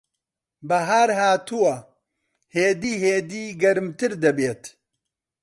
بەھار ھاتووە. ھێدی ھێدی گەرمتر دەبێت.